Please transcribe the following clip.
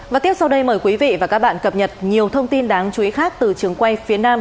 và tiếp sau đây mời quý vị và các bạn cập nhật nhiều thông tin đáng chú ý khác từ trường quay phía nam